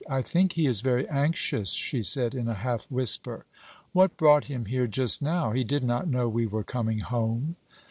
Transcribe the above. "I think he is very anxious," she said in a half whisper. "What brought him here just now? He did not know we were coming home."